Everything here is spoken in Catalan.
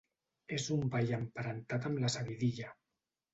És un ball emparentat amb la seguidilla.